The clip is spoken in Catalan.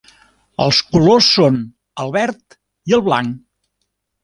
Els colors són el verd i el blanc.